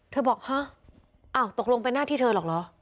บอกฮะอ้าวตกลงเป็นหน้าที่เธอหรอกเหรอ